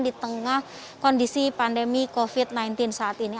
di tengah kondisi pandemi covid sembilan belas saat ini